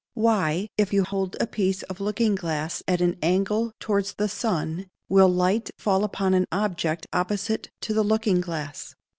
_Why, if you hold a piece of looking glass at an angle towards the sum, will light fall upon an object opposite to the looking glass?